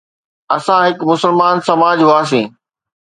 اسان هڪ مسلمان سماج هئاسين.